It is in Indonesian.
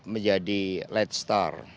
menjadi light star